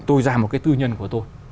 tôi ra một cái tư nhân của tôi